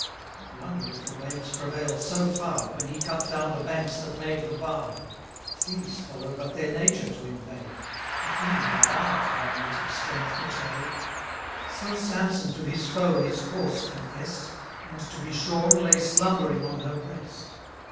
What wonder if the waves prevail so far, When he cut down the banks that made the bar? 70 Seas follow but their nature to invade; But he by art our native strength betray'd. So Samson to his foe his force confess'd, And, to be shorn, lay slumbering on her breast.